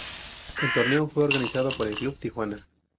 El torneo fue organizado por El Club Tijuana.